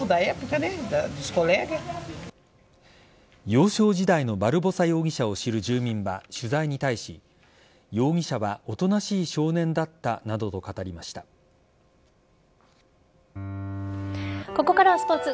幼少時代のバルボサ容疑者を知る住民は取材に対し容疑者はおとなしい少年だったなどとここからはスポーツ。